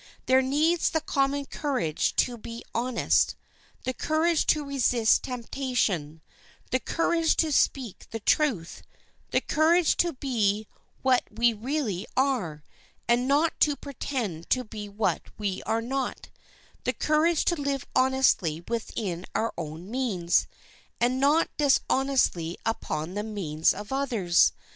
There needs the common courage to be honest, the courage to resist temptation, the courage to speak the truth, the courage to be what we really are, and not to pretend to be what we are not, the courage to live honestly within our own means, and not dishonestly upon the means of others.